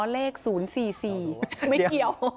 เลข๐๔๔ไม่เกี่ยว